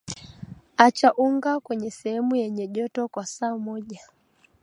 acha unga kwenye sehemu yenye joto kwa saa moja